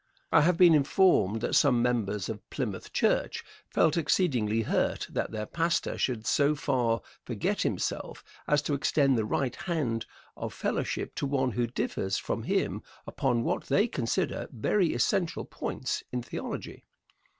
I have been informed that some members of Plymouth Church felt exceedingly hurt that their pastor should so far forget himself as to extend the right hand of fellowship to one who differs from him upon what they consider very essential points in theology.